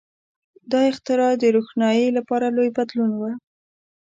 • دا اختراع د روښنایۍ لپاره لوی بدلون و.